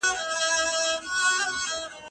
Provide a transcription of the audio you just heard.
په هېواد کي بايد امنيت تامين سي.